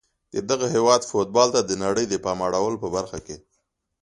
د دغه هیواد فوتبال ته د نړۍ د پام اړولو په برخه کې